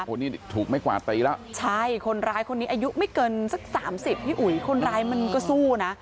คนนี้ถูกไม่กว่าตีละใช่คนร้ายคนนี้อายุไม่เกินสัก๓๐คนร้ายมันก็สู้นะ